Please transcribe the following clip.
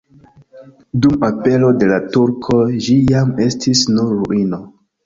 Dum apero de la turkoj ĝi jam estis nur ruino.